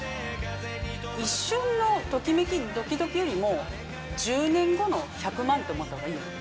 一瞬のときめき、どきどきよりも、１０年後の１００万と思ったほうがいいよね。